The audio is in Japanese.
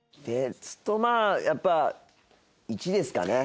まあやっぱ１ですかね。